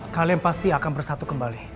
kalian pasti akan bersatu kembali